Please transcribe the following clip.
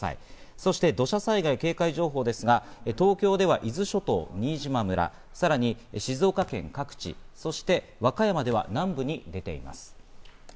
そして土砂災害警戒情報ですが、東京では伊豆諸島、新島村、さらに静岡県各地、そして和歌山では南部に出ています。